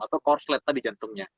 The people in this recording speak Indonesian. atau konslet di jantungnya